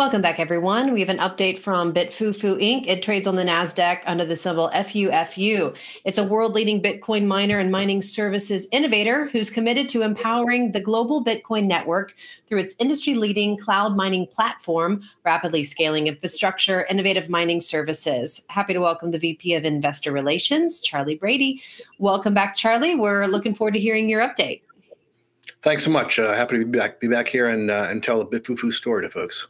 Welcome back, everyone. We have an update from BitFuFu Inc. It trades on the NASDAQ under the symbol FUFU. It's a world-leading Bitcoin miner and mining services innovator who's committed to empowering the global Bitcoin network through its industry-leading cloud mining platform, rapidly scaling infrastructure, innovative mining services. Happy to welcome the VP of Investor Relations, Charley Brady. Welcome back, Charley. We're looking forward to hearing your update. Thanks so much. Happy to be back here and tell the BitFuFu story to folks.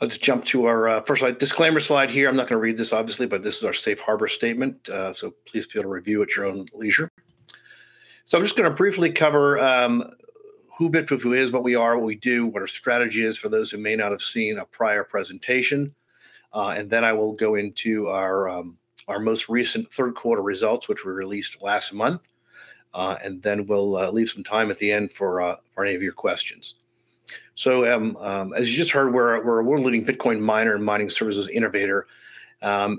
Let's jump to our first disclaimer slide here. I'm not going to read this, obviously, but this is our safe harbor statement. So please feel free to review at your own leisure. So I'm just going to briefly cover who BitFuFu is, what we are, what we do, what our strategy is for those who may not have seen a prior presentation. And then I will go into our most recent third quarter results, which were released last month. And then we'll leave some time at the end for any of your questions. So as you just heard, we're a world-leading Bitcoin miner and mining services innovator. On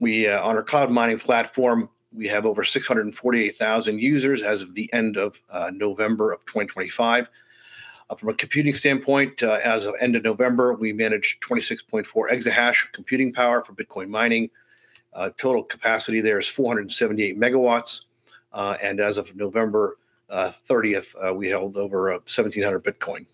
our cloud mining platform, we have over 648,000 users as of the end of November of 2025. From a computing standpoint, as of end of November, we manage 26.4 exahash of computing power for Bitcoin mining. Total capacity there is 478 MW. And as of November 30th, we held over 1,700 Bitcoin.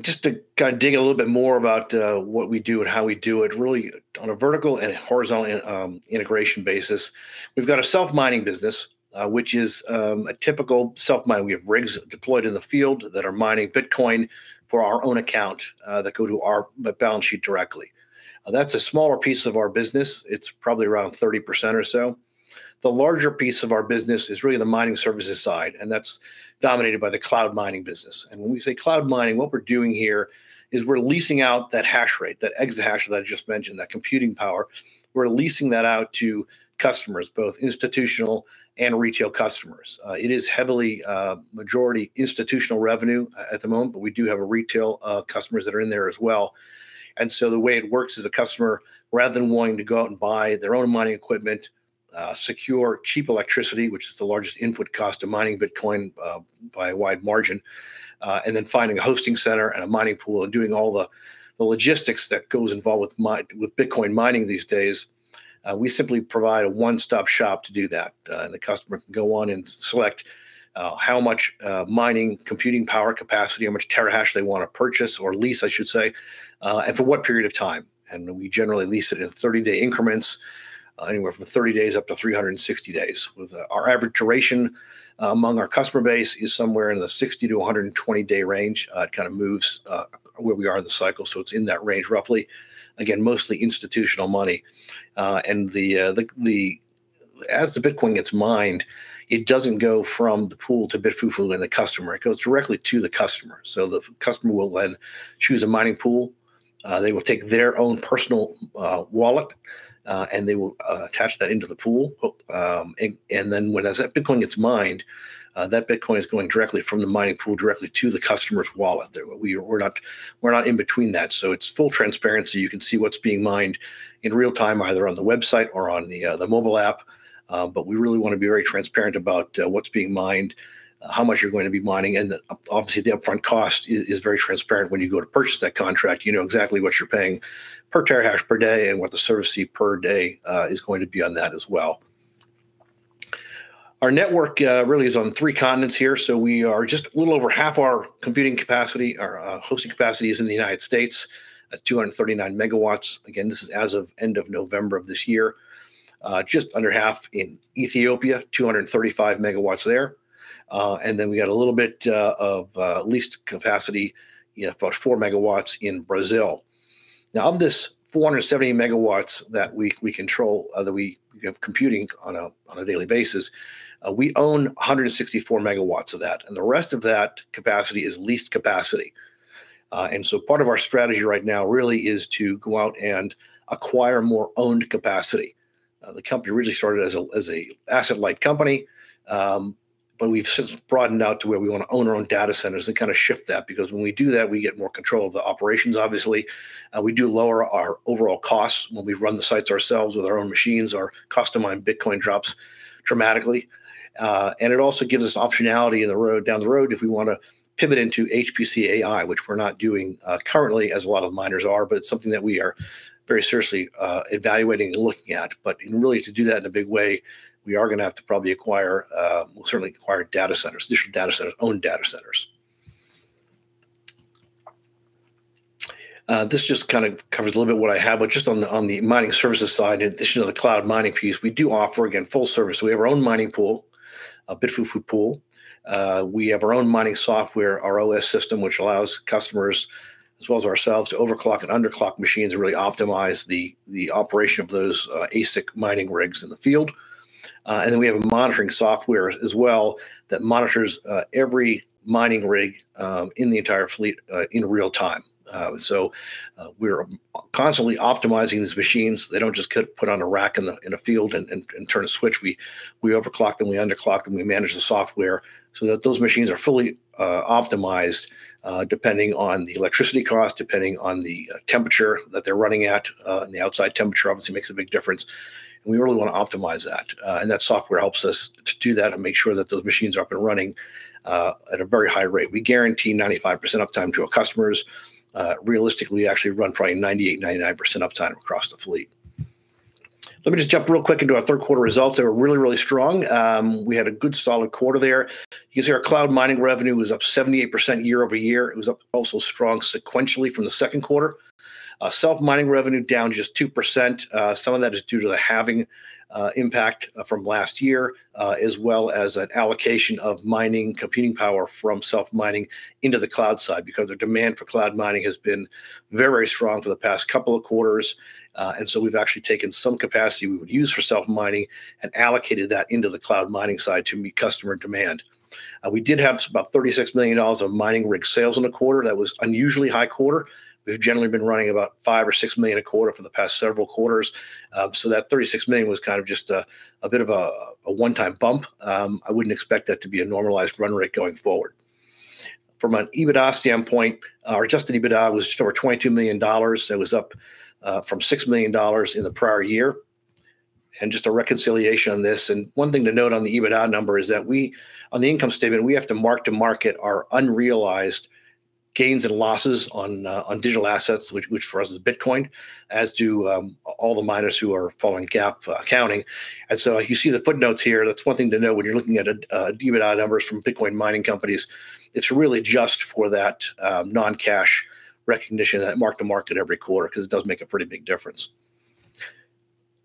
Just to kind of dig a little bit more about what we do and how we do it, really on a vertical and horizontal integration basis, we've got a self-mining business, which is a typical self-mining. We have rigs deployed in the field that are mining Bitcoin for our own account that go to our balance sheet directly. That's a smaller piece of our business. It's probably around 30% or so. The larger piece of our business is really the mining services side, and that's dominated by the cloud mining business. When we say cloud mining, what we're doing here is we're leasing out that hash rate, that exahash that I just mentioned, that computing power. We're leasing that out to customers, both institutional and retail customers. It is heavily majority institutional revenue at the moment, but we do have retail customers that are in there as well. So the way it works is a customer, rather than wanting to go out and buy their own mining equipment, secure cheap electricity, which is the largest input cost of mining Bitcoin by a wide margin, and then finding a hosting center and a mining pool and doing all the logistics that goes involved with Bitcoin mining these days, we simply provide a one-stop shop to do that. And the customer can go on and select how much mining computing power capacity, how much terahash they want to purchase or lease, I should say, and for what period of time. And we generally lease it in 30-day increments, anywhere from 30 days up to 360 days. Our average duration among our customer base is somewhere in the 60 to 120-day range. It kind of moves where we are in the cycle. So it's in that range roughly. Again, mostly institutional money. And as the Bitcoin gets mined, it doesn't go from the pool to BitFuFu and the customer. It goes directly to the customer. So the customer will then choose a mining pool. They will take their own personal wallet and they will attach that into the pool. And then when that Bitcoin gets mined, that Bitcoin is going directly from the mining pool directly to the customer's wallet. We're not in between that. So it's full transparency. You can see what's being mined in real time, either on the website or on the mobile app. But we really want to be very transparent about what's being mined, how much you're going to be mining. And obviously, the upfront cost is very transparent. When you go to purchase that contract, you know exactly what you're paying per terahash per day and what the service fee per day is going to be on that as well. Our network really is on three continents here. So we are just a little over half our computing capacity. Our hosting capacity is in the United States at 239 MW. Again, this is as of end of November of this year, just under half in Ethiopia, 235 MW there. And then we got a little bit of leased capacity, about four MW in Brazil. Now, of this 470 MW that we control, that we have computing on a daily basis, we own 164 MW of that. And the rest of that capacity is leased capacity. And so part of our strategy right now really is to go out and acquire more owned capacity. The company originally started as an asset-light company, but we've since broadened out to where we want to own our own data centers and kind of shift that. Because when we do that, we get more control of the operations, obviously. We do lower our overall costs when we run the sites ourselves with our own machines. Our cost to mine Bitcoin drops dramatically. And it also gives us optionality down the road if we want to pivot into HPC AI, which we're not doing currently, as a lot of miners are, but it's something that we are very seriously evaluating and looking at. But really, to do that in a big way, we are going to have to probably acquire, certainly acquire data centers, additional data centers, owned data centers. This just kind of covers a little bit what I have, but just on the mining services side, in addition to the cloud mining piece, we do offer, again, full service. We have our own mining pool, a BitFuFu Pool. We have our own mining software, our OS system, which allows customers, as well as ourselves, to overclock and underclock machines and really optimize the operation of those ASIC mining rigs in the field. And then we have a monitoring software as well that monitors every mining rig in the entire fleet in real time. So we're constantly optimizing these machines. They don't just get put on a rack in a field and turn a switch. We overclock them, we underclock them, we manage the software so that those machines are fully optimized depending on the electricity cost, depending on the temperature that they're running at. The outside temperature obviously makes a big difference. And we really want to optimize that. And that software helps us to do that and make sure that those machines are up and running at a very high rate. We guarantee 95% uptime to our customers. Realistically, we actually run probably 98%, 99% uptime across the fleet. Let me just jump real quick into our third quarter results. They were really, really strong. We had a good solid quarter there. You can see our cloud mining revenue was up 78% year over year. It was up, also strong sequentially from the second quarter. Self-mining revenue down just 2%. Some of that is due to the halving impact from last year, as well as an allocation of mining computing power from self-mining into the cloud side because the demand for cloud mining has been very, very strong for the past couple of quarters, and so we've actually taken some capacity we would use for self-mining and allocated that into the cloud mining side to meet customer demand. We did have about $36 million of mining rig sales in a quarter. That was an unusually high quarter. We've generally been running about $5 or $6 million a quarter for the past several quarters. So that $36 million was kind of just a bit of a one-time bump. I wouldn't expect that to be a normalized run rate going forward. From an EBITDA standpoint, our adjusted EBITDA was just over $22 million. It was up from $6 million in the prior year. And just a reconciliation on this. And one thing to note on the EBITDA number is that we, on the income statement, we have to mark to market our unrealized gains and losses on digital assets, which for us is Bitcoin, as do all the miners who are following GAAP accounting. And so you see the footnotes here. That's one thing to note when you're looking at EBITDA numbers from Bitcoin mining companies. It's really just for that non-cash recognition that mark to market every quarter because it does make a pretty big difference.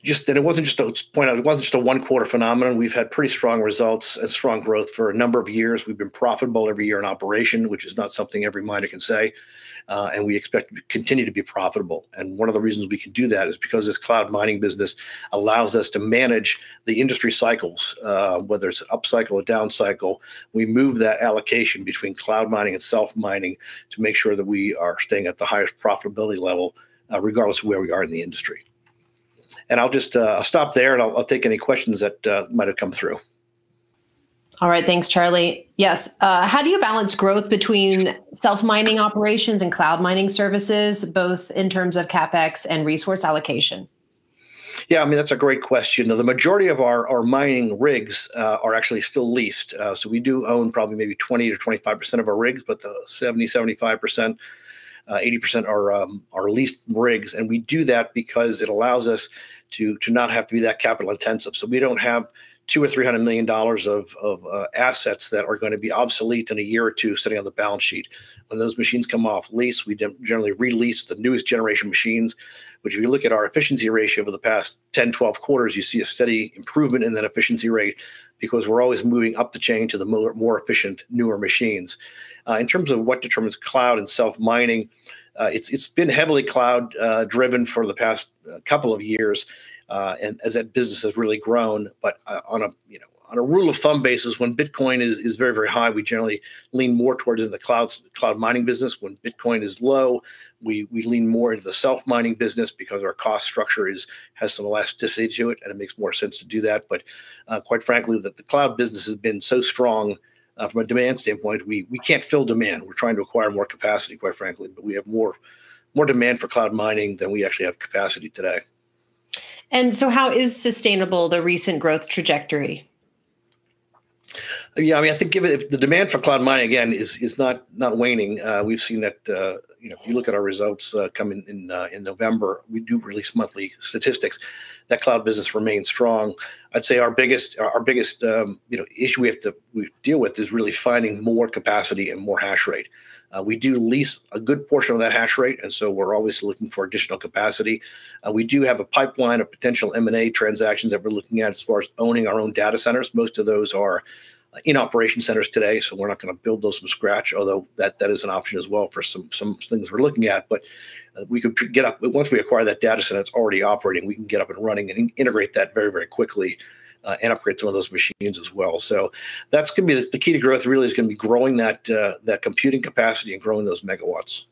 It wasn't just a one-quarter phenomenon. We've had pretty strong results and strong growth for a number of years. We've been profitable every year in operation, which is not something every miner can say. We expect to continue to be profitable. One of the reasons we can do that is because this cloud mining business allows us to manage the industry cycles, whether it's an upcycle or downcycle. We move that allocation between cloud mining and self-mining to make sure that we are staying at the highest profitability level regardless of where we are in the industry. I'll just stop there and I'll take any questions that might have come through. All right, thanks, Charley. Yes. How do you balance growth between self-mining operations and cloud mining services, both in terms of CapEx and resource allocation? Yeah, I mean, that's a great question. The majority of our mining rigs are actually still leased. So we do own probably maybe 20%-25% of our rigs, but the 70%, 75%, 80% are leased rigs. And we do that because it allows us to not have to be that capital intensive. So we don't have $200 million or $300 million of assets that are going to be obsolete in a year or two sitting on the balance sheet. When those machines come off lease, we generally lease the newest generation machines, which if you look at our efficiency ratio over the past 10, 12 quarters, you see a steady improvement in that efficiency rate because we're always moving up the chain to the more efficient, newer machines. In terms of what determines cloud and self-mining, it's been heavily cloud-driven for the past couple of years as that business has really grown. But on a rule of thumb basis, when Bitcoin is very, very high, we generally lean more towards the cloud mining business. When Bitcoin is low, we lean more into the self-mining business because our cost structure has some elasticity to it and it makes more sense to do that. But quite frankly, the cloud business has been so strong from a demand standpoint, we can't fill demand. We're trying to acquire more capacity, quite frankly, but we have more demand for cloud mining than we actually have capacity today. How is sustainable the recent growth trajectory? Yeah, I mean, I think the demand for cloud mining, again, is not waning. We've seen that if you look at our results coming in November, we do release monthly statistics that cloud business remains strong. I'd say our biggest issue we have to deal with is really finding more capacity and more hash rate. We do lease a good portion of that hash rate, and so we're always looking for additional capacity. We do have a pipeline of potential M&A transactions that we're looking at as far as owning our own data centers. Most of those are in operational centers today, so we're not going to build those from scratch, although that is an option as well for some things we're looking at. But we could get up. Once we acquire that data center that's already operating, we can get up and running and integrate that very, very quickly and upgrade some of those machines as well. So that's going to be the key to growth. Really, it's going to be growing that computing capacity and growing those MW.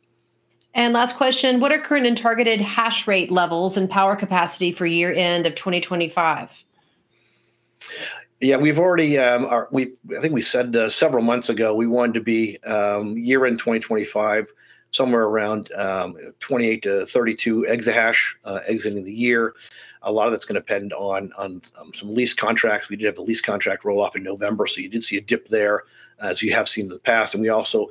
Last question, what are current and targeted hash rate levels and power capacity for year-end of 2025? Yeah, we've already, I think we said several months ago, we wanted to be year-end 2025 somewhere around 28-32 exahash exiting the year. A lot of that's going to depend on some lease contracts. We did have a lease contract roll off in November, so you did see a dip there, as you have seen in the past. And we also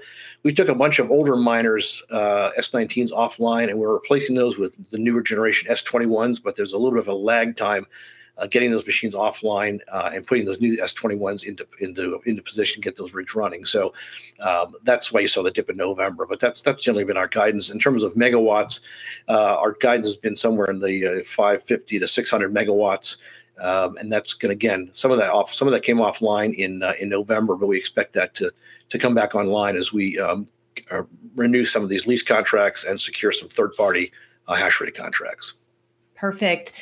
took a bunch of older miners, S19s, offline, and we're replacing those with the newer generation S21s, but there's a little bit of a lag time getting those machines offline and putting those new S21s into position to get those rigs running. So that's why you saw the dip in November. But that's generally been our guidance. In terms of MW, our guidance has been somewhere in the 550-600 MW. That's going to, again, some of that came offline in November, but we expect that to come back online as we renew some of these lease contracts and secure some third-party hash rate contracts. Perfect.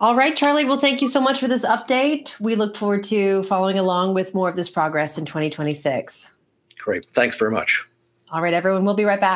All right, Charley, well, thank you so much for this update. We look forward to following along with more of this progress in 2026. Great. Thanks very much. All right, everyone, we'll be right back.